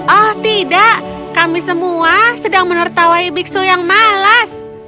oh tidak kami semua sedang menertawai biksu yang malas